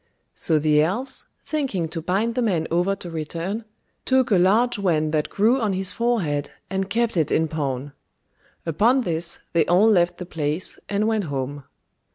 So the elves, thinking to bind the man over to return, took a large wen that grew on his forehead and kept it in pawn; upon this they all left the place, and went home.